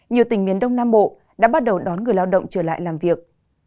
nhiều tỉnh miền đông nam bộ đã bắt đầu đón người lao động trở lại làm việc